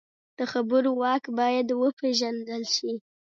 د خبرو واک باید وپېژندل شي